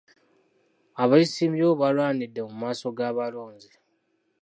Abeesimbyewo baalwanidde mu maaso g'abalonzi.